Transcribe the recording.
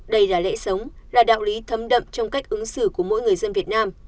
đây là lẽ sống là đạo lý thấm đậm trong cách ứng xử của mỗi người dân việt nam